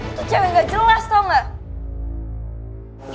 itu cewek gak jelas tau gak